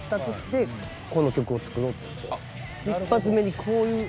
一発目にこういう演出で。